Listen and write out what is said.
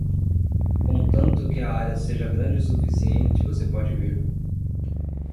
Contanto que a área seja grande o suficiente, você pode vir.